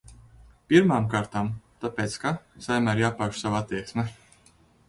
Pirmām kārtām tāpēc, ka Saeimai ir jāpauž sava attieksme.